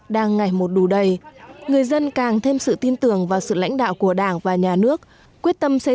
đang ngày một đủ đầy người dân càng thêm sự tin tưởng vào sự lãnh đạo của đảng và nhà nước quyết tâm xây